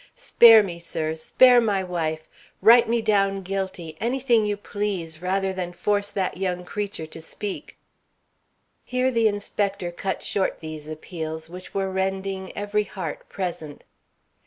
"Spare me, sirs! Spare my wife! Write me down guilty, anything you please, rather than force that young creature to speak " Here the inspector cut short these appeals which were rending every heart present.